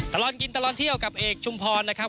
ตลอดกินตลอดเที่ยวกับเอกชุมพรนะครับ